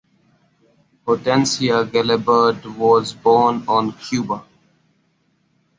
Hortensia Gelabert was born on Cuba.